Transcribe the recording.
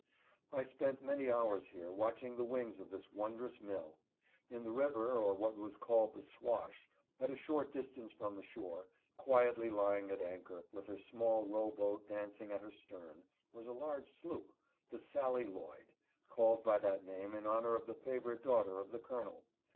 I spent many hours here watching the wings of this won drous mill. In the river, or what was called the "Swash," at a short distance from the shore, quietly lying at anchor, with her small row boat dancing at her stern, was a large sloop, the Sally Lloyd, called by that name in honor of the favorite daughter of the Colonel.